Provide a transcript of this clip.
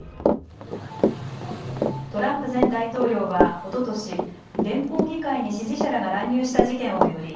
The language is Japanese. トランプ前大統領はおととし連邦議会に支持者らが乱入した事件を巡り